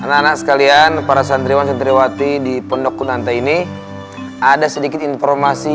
anak anak sekalian para santriwan santriwati di pondok kunanta ini ada sedikit informasi